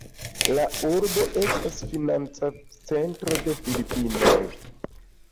La urbo estas financa centro de Filipinoj.